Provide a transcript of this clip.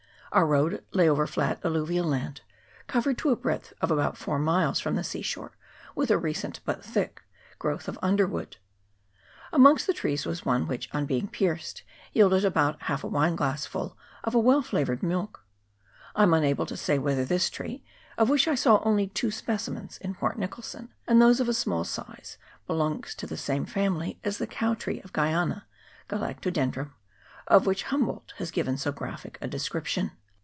Our road lay over flat alluvial land, covered to a breadth of about four miles from the sea shore with a recent but thick growth of underwood. Amongst the trees \vas one which, on being pierced, yielded about half a wine glass full of a well flavoured milk. I am unable to say whether this tree, of which I saw only two specimens in Port Nicholson, and those of a small size, belongs to the same family as the cow tree of Guiana (Galactodendrum), of which Humboldt has given so graphic a description.